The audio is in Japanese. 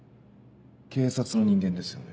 警察の人間ですよね？